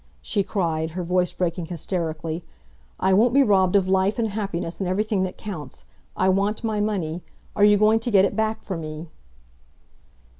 she cried, her voice breaking hysterically, "I won't be robbed of life and happiness and everything that counts! I want my money. Are you going to get it back for me?"